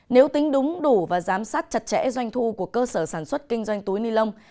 nếu tính đúng đủ và giám sát chặt chẽ doanh thu của cơ sở sản xuất kinh doanh túi ni lông